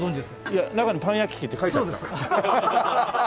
いや中にパン焼器って書いてあった。